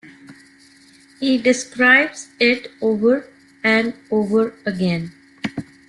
He describes it over and over again.